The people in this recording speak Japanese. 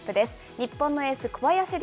日本のエース、小林陵